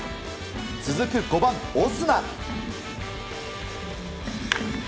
続く５番、オスナ。